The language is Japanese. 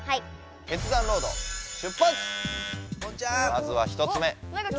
まずは１つ目。